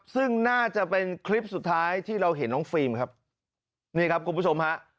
ซึ่งน่าจะเป็นคลิปสุดท้ายที่เราเห็นน้องฟิล์มครับนี่ครับคุณผู้ชมฮะ